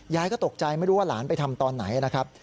ยายก็ตกใจไม่รู้ว่าหลานไปทำตอนไหนนะครับ